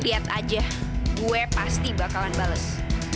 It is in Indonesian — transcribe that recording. lihat aja gue pasti bakalan bales